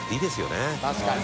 確かに。